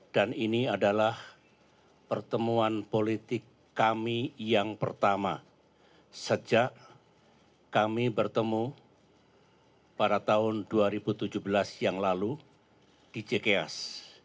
dan ini adalah pertemuan politik kami yang pertama sejak kami bertemu pada tahun dua ribu tujuh belas yang lalu di cks